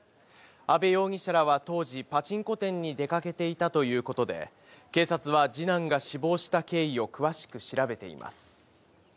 阿部容疑者らは当時、パチンコ店に出かけていたということで、警察は次男が死亡した経緯を詳しく調べています。